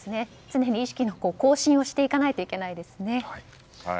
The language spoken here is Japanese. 常に意識の更新をしていかないといけないですね。